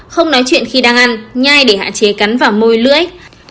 không nói chuyện khi đang ăn nhai để hạn chế cắn vào môi lưỡi